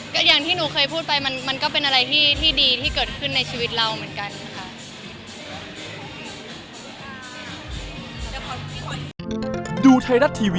ก็อย่างที่หนูเคยพูดไปมันก็เป็นอะไรที่ดีที่เกิดขึ้นในชีวิตเราเหมือนกันค่ะ